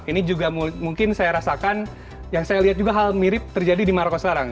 ini juga mungkin saya rasakan yang saya lihat juga hal mirip terjadi di maroko sekarang